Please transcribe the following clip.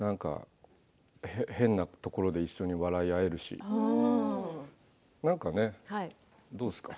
変なところで一緒に笑い合えるし、何かねどうですか？